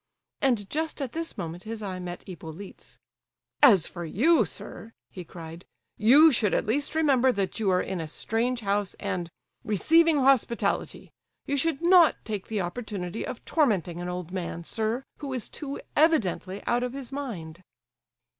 And just at this moment his eye met Hippolyte's. "As for you, sir," he cried, "you should at least remember that you are in a strange house and—receiving hospitality; you should not take the opportunity of tormenting an old man, sir, who is too evidently out of his mind."